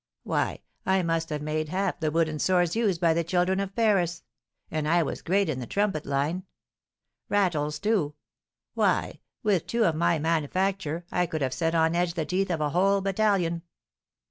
Why, I must have made half the wooden swords used by the children of Paris; and I was great in the trumpet line. Rattles, too, why, with two of my manufacture I could have set on edge the teeth of a whole battalion!